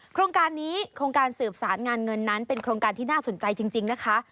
โครงการนี้โครงการสืบสารงานเงินนั้นเป็นโครงการที่น่าสนใจจริงนะคะ